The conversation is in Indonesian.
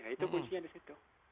itu kuncinya di situ